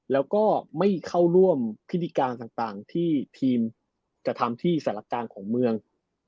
แล้วก็ไม่เข้าร่วมพิธีการต่างที่ทีมกระทำที่สารกลางของเมือง